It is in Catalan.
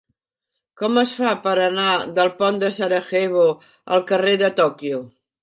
Com es fa per anar del pont de Sarajevo al carrer de Tòquio?